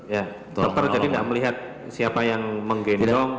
dokter jadi tidak melihat siapa yang menggendong